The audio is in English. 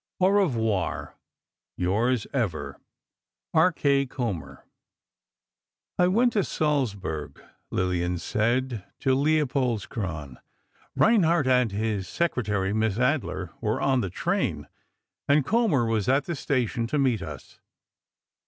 Au revoir! Yours ever, R. K. Kommer "I went to Salzburg," Lillian said, "to Leopoldskron. Reinhardt and his secretary, Miss Adler, were on the train, and Kommer was at the station to meet us.